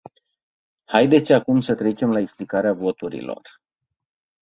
Haideți acum să trecem la explicarea voturilor.